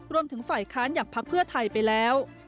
รวมถึงฝ่ายค้านอย่างพักเพื่อไทยไปแล้ว